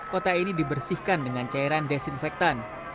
kota ini dibersihkan dengan cairan desinfektan